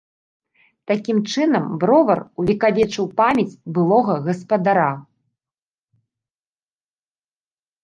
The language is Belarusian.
Такім чынам бровар увекавечыў памяць былога гаспадара.